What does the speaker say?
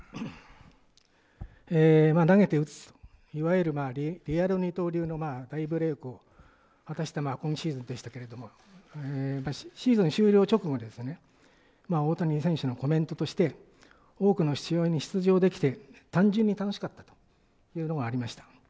投げて打つ、いわゆるリアル二刀流の大ブレークを果たした今シーズンでしたけれどもシーズン終了直後大谷選手のコメントとして多くの試合に出場できて単純に楽しかったというのがありました。